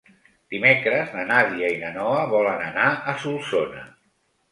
Dimecres na Nàdia i na Noa volen anar a Solsona.